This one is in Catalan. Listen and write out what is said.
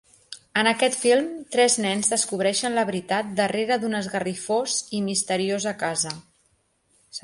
En aquest film, tres nens descobreixen la veritat darrere d'un esgarrifós i misteriosa casa.